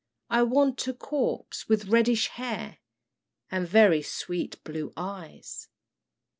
I want a corpse with reddish hair, And very sweet blue eyes."